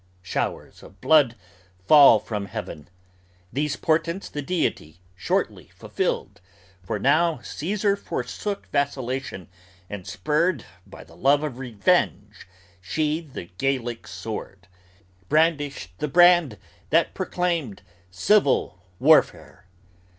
Showers of blood fall from heaven These portents the Deity shortly fulfilled! For now Caesar Forsook vacillation and, spurred by the love of revenge, sheathed The Gallic sword; brandished the brand that proclaimed civil warfare.